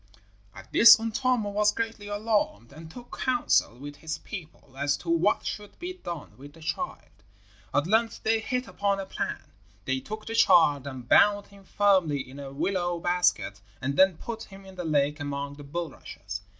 At this Untamo was greatly alarmed, and took counsel with his people as to what should be done with the child. At length they hit upon a plan. They took the child and bound him firmly in a willow basket and then put him in the lake among the bulrushes.